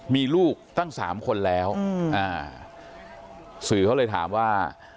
มีลูกตั้งสามคนแล้วสื่อเขาเลยถามว่า